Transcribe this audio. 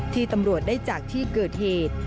ที่ตำรวจได้จากที่เกิดเหตุ